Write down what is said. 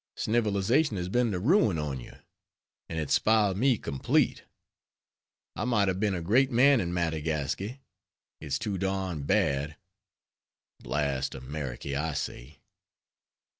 Snivelization has been the ruin on ye; and it's spiled me complete; I might have been a great man in Madagasky; it's too darned bad! Blast Ameriky, I say."